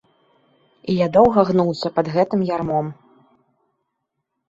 І я доўга гнуўся пад гэтым ярмом.